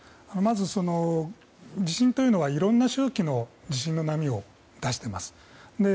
まず、地震というのはいろんな周期の地震の波を出しています。